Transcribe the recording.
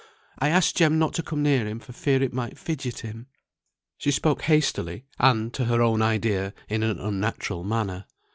I asked Jem not to come near him for fear it might fidget him." She spoke hastily, and (to her own idea) in an unnatural manner.